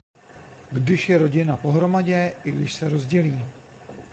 Když je rodina pohromadě i když se rozdělí.